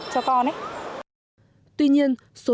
tuy nhiên số lượng các trung tâm anh ngữ